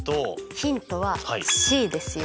ヒントはＣですよ。